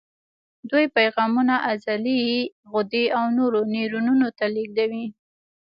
دوی پیغامونه عضلې، غدې او نورو نیورونونو ته لېږدوي.